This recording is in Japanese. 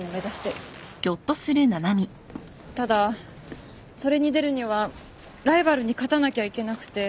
ただそれに出るにはライバルに勝たなきゃいけなくて。